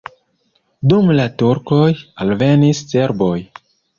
Dum la turkoj alvenis serboj.